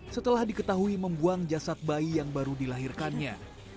setelah diketahui membuang jasad bayi yang baru dilahirkannya